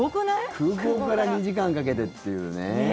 空港から２時間かけてというね。